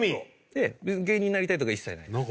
ええ別に芸人になりたいとか一切ないです。